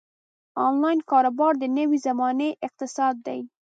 انلاین کاروبار د نوې زمانې اقتصاد دی.